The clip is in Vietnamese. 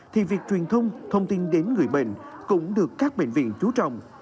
thì việc truyền thông thông tin đến người bệnh cũng được các bệnh viện chú trọng